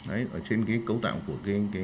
ở trên cái cấu tạo của